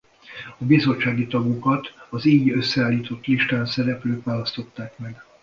A bizottsági tagokat az így összeállított listán szereplők választották meg.